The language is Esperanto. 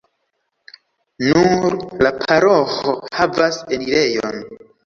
Nur la paroĥo havas enirejon.